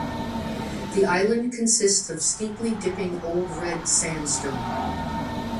The island consists of steeply-dipping Old Red Sandstone.